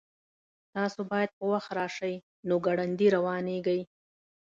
تاسو باید په وخت راشئ نو ګړندي روانیږئ